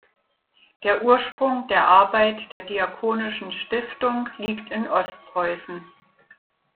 Der Ursprung der Arbeit der Diakonischen Stiftung liegt in Ostpreußen.